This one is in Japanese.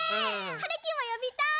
はるきもよびたい！